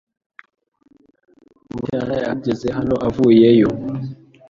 Bucyana yahagaze hano avuyeyo